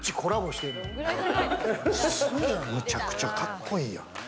むちゃくちゃカッコいいやん！